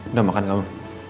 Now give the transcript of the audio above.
udah makan gak lo